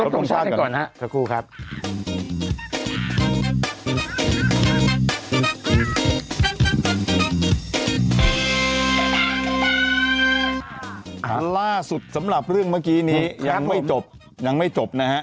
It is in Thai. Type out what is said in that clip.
ถัดสำหรับเรื่องกันไม่จบ